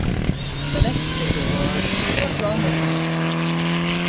The next single was "What's Wrong With Me".